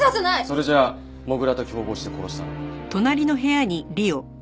それじゃあ土竜と共謀して殺したのか？